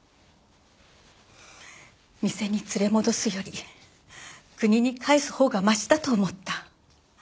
店に連れ戻すより国に帰すほうがましだと思った。